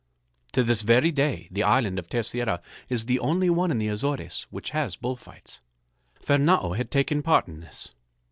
To this very day the island of Terceira is the only one in the Azores which has bull fights. Fernâo had taken part in this.